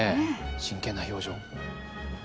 真剣な表情。